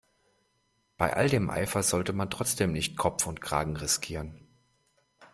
Bei all dem Eifer sollte man trotzdem nicht Kopf und Kragen riskieren.